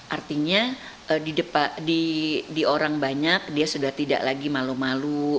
artinya di orang banyak dia sudah tidak lagi malu malu